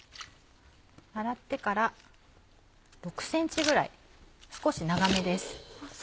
洗ってから６ｃｍぐらい少し長めです。